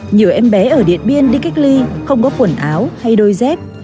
nhiều em bé ở điện biên đi cách ly không có quần áo hay đôi dép